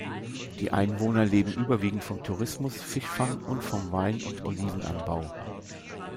Die Einwohner leben überwiegend vom Tourismus, Fischfang und vom Wein- und Olivenanbau.